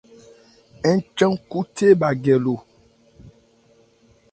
Ń chan khúthé bha gɛ lo.